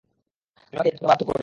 তুমি আমাকে এই কাজ করতে বাধ্য করেছ।